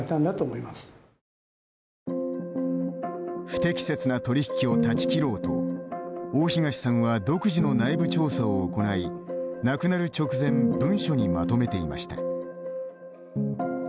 不適切な取り引きを断ち切ろうと大東さんは独自の内部調査を行い亡くなる直前文書にまとめていました。